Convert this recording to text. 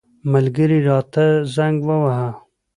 ملګري راته زنګ وواهه.